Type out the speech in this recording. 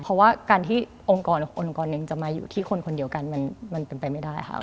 เพราะว่าการที่องค์กรองค์กรหนึ่งจะมาอยู่ที่คนคนเดียวกันมันเป็นไปไม่ได้ค่ะ